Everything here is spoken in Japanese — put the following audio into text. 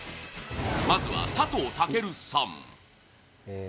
まずは佐藤健さん